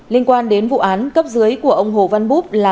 liên quan đến vụ án cấp dưới của ông hồ văn búp là